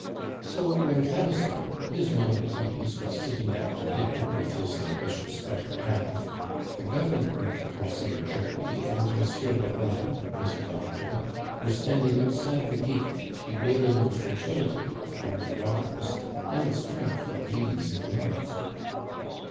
So, when Camusot, his mind at ease, was sitting down to dinner with his ambitious better half, the Governor of the Conciergerie and Monsieur Lebrun, the prison doctor, were standing outside the gate bewailing the fragility of iron bars and the strength of ladies in love.